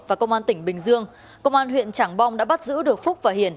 và công an tỉnh bình dương công an huyện trảng bò đã bắt giữ được phúc và hiền